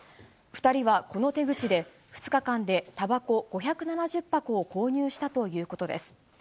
２人は、この手口で、２日間でたばこ５７０箱を購入したということです。